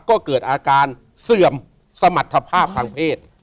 ก็เกิดอาการเสื่อมสมรรถภาพทางเพศ